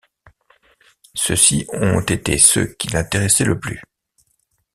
Ceux-ci ont été ceux qui l'intéressaient le plus.